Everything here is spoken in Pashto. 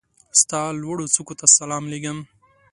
ستا لوړوڅوکو ته سلام لېږم